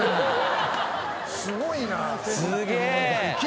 すごいな。